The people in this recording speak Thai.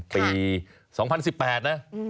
ปี๒๐๑๘นะ